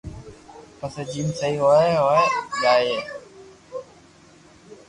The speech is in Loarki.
پسي جيم سھي ھوئي ھوئي جائين